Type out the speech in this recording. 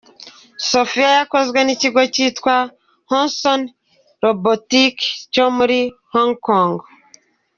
Sophia yakozwe n’ikigo cyitwa Hanson Robotics cyo muri Hong Kong.